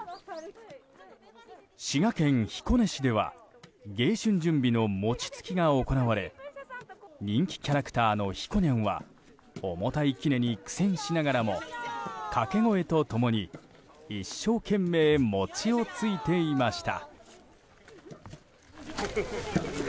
滋賀県彦根市では迎春準備の餅つきが行われ人気キャラクターのひこにゃんは重たいきねに苦戦しながらも掛け声と共に一生懸命、餅をついていました。